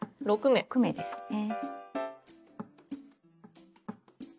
６目ですね。